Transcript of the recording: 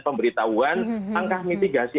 pemberitahuan angka mitigasi